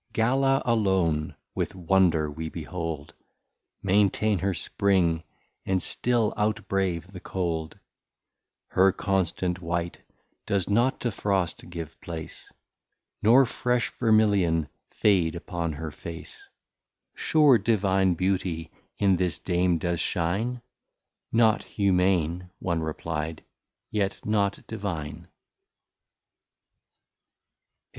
Galla alone, with wonder we behold, Maintain her Spring, and still out brave the Cold; Her constant white does not to Frost give place, Nor fresh Vermillion fade upon her face: Sure Divine beauty in this Dame does shine? Not Humane, one reply'd, yet not Divine.